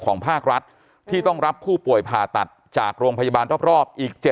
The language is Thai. ภาครัฐที่ต้องรับผู้ป่วยผ่าตัดจากโรงพยาบาลรอบอีก๗